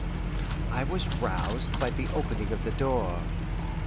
I was roused by the opening of the door.